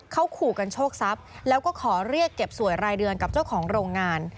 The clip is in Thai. เขาขู่กันโชคทรัพย์แล้วก็ขอเรียกเก็บสวยรายเดือนกับเจ้าของโรงงาน